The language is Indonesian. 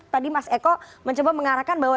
tadi mas eko mencoba mengarahkan bahwa